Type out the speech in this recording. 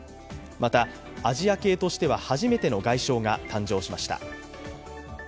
また、アジア系としては初めての外相が誕生しました。